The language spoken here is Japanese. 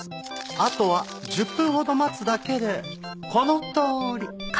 あとは１０分ほど待つだけでこのとおり。